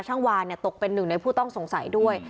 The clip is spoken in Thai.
วานตกเป็นหนึ่งในผู้ต้องสงสัยด้วย